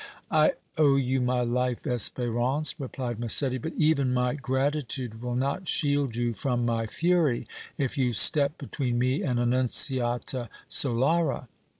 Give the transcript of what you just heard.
"I owe you my life, Espérance," replied Massetti, "but even my gratitude will not shield you from my fury, if you step between me and Annunziata Solara!"